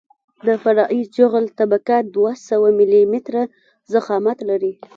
د فرعي جغل طبقه دوه سوه ملي متره ضخامت لري